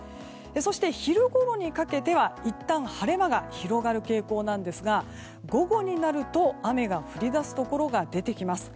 そして、昼ごろにかけてはいったん晴れ間が広がる傾向なんですが午後になると雨が降り出すところが出てきます。